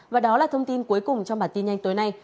và đó là thông tin cuối cùng trong bản tin nhanh tối nay